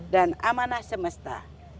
dan amanah semesta